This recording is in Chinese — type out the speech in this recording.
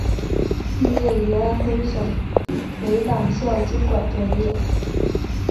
毕业于安徽省委党校经管专业。